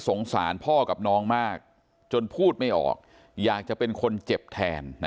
สารพ่อกับน้องมากจนพูดไม่ออกอยากจะเป็นคนเจ็บแทน